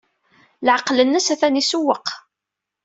Leɛqel-nnes atan isewweq.